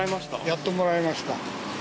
やっともらえました。